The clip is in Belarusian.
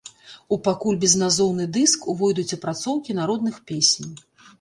У пакуль безназоўны дыск увойдуць апрацоўкі народных песень.